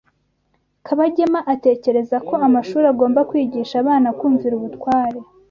Kabagema atekereza ko amashuri agomba kwigisha abana kumvira ubutware.